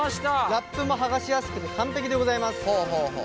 ラップも剥がしやすくて完璧でございます。